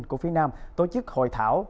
của phía nam tổ chức hội thảo